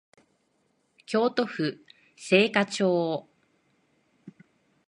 京都府精華町